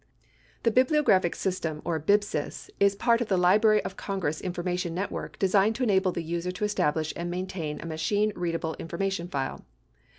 Bibliographic System or BIBS YS is part of the Library of Congress information network designed to enable the user to establish and main tain a machine readable information file.